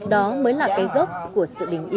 đó mới là cái gốc của sự bình yên ổn định lâu dài